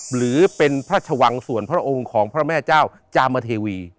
หรือเป็นพระชวังส่วนพระองค์ของพระแม่เจ้าจามเทวี